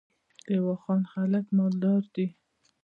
د واخان خلک مالدار دي